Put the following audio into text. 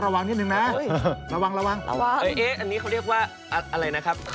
เอ๊อันนี้เขาเรียกว่าอะไรนะครับ